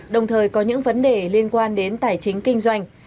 đồng thời có những vấn đề liên quan đến tài chính kinh doanh